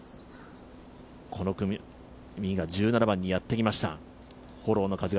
この組が１７番にやってきました。